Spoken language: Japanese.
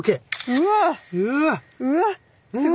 うわっ。